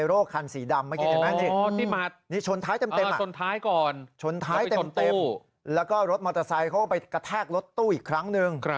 รถมอเตอร์ไซค์เขาก็ไปกระแทกรถตู้อีกครั้งหนึ่ง